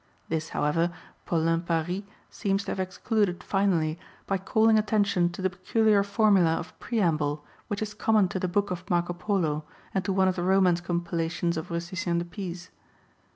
This, how ever, Paulin Paris seems to have excluded finally, by calling attention to the peculiar formula of preamble which is common to the Book of Marco Polo and to one of the Romance compila tions of Rusticien de Pise.